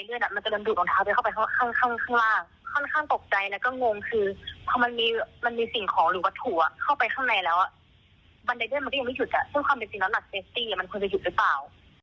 ซึ่งความเป็นสิ่งน้ำหนักเซฟตี้มันควรจะหยุดหรือเปล่า